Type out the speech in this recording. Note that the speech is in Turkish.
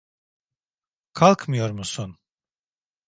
Kalkmıyor musun?